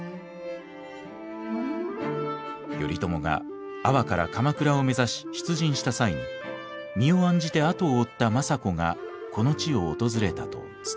頼朝が安房から鎌倉を目指し出陣した際に身を案じて後を追った政子がこの地を訪れたと伝わります。